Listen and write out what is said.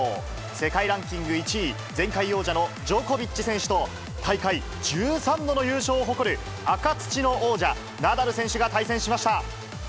世界ランキング１位、前回王者のジョコビッチ選手と、大会１３度の優勝を誇る、赤土の王者、ナダル選手が対戦しました。